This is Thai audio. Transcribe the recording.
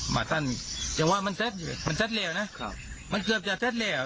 มาตั้นแต่ว่ามันทัศน์มันทัศน์แล้วนะครับมันเกือบจะทัศน์แล้ว